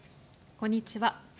こんにちは。